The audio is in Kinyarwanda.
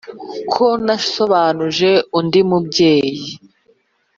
Ko nasobanuje undi mubyeyi